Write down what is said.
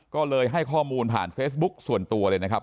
ก็เลยให้ข้อมูลผ่านเฟซบุ๊กส่วนตัวเลยนะครับ